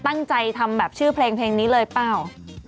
ตั้งใจทำชื่อเพลงเพลงนี้เลยป่าว